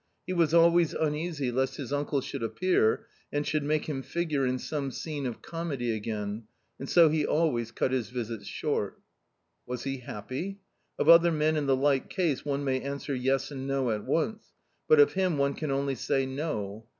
He was always uneasy lest his uncle should appear and should make him figure in some scene of comedy again and so he always cut his visits short. / Was he happy ? Of other men in the like case one may answer yes and no at once, but of him one can only say no.